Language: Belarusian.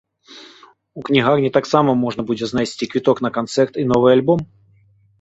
У кнігарні таксама можна будзе знайсці квіток на канцэрт і новы альбом.